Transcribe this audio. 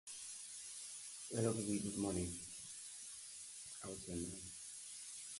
Charles Dunstone became Chairman of both companies.